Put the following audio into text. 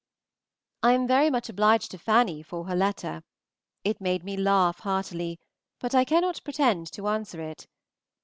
I am very much obliged to Fanny for her letter; it made me laugh heartily, but I cannot pretend to answer it.